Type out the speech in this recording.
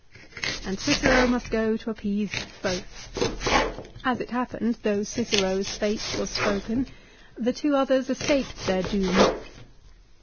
And Cicero must go to appease both. As it happened, though Cicero's fate was spoken, the two others escaped their doom.